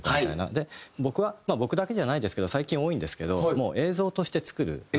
で僕はまあ僕だけじゃないですけど最近多いんですけどもう映像として作る。